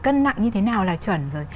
cân nặng như thế nào là chuẩn